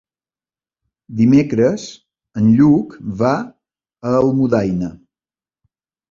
Dimecres en Lluc va a Almudaina.